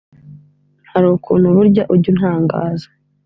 hari ukuntu burya ujya untangaza